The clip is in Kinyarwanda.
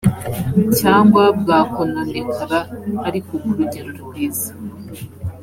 cyangwa bwakononekara ariko ku rugero rwiza